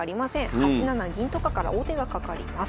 ８七銀とかから王手がかかります。